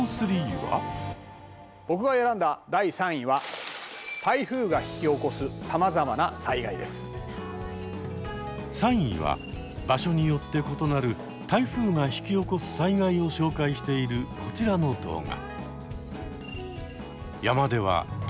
僕が選んだ第３位は３位は場所によって異なる台風が引き起こす災害を紹介しているこちらの動画。